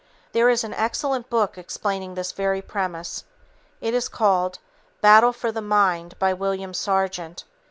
There is an excellent book explaining this very premise. It is called Battle For The Mind by William Sargent.